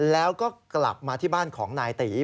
แล้วก็กลับมาที่บ้านของนายตี